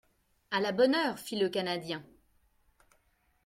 —A la bonne heure ! fit le Canadien.